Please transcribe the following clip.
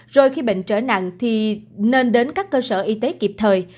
rồi khi bệnh trở nặng thì nên đến các cơ sở y tế kịp thời